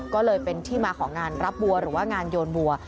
ก็เลยเป็นที่มาของงานรับบัวหรือว่างานโยนวัว